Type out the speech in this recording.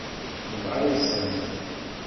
Yenɣa-yasent-t.